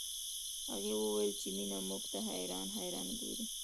هغې وويل چې مينه موږ ته حيرانه حيرانه ګوري